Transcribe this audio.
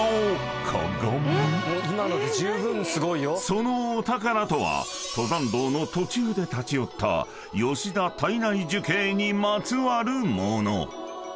［そのお宝とは登山道の途中で立ち寄った吉田胎内樹型にまつわるもの］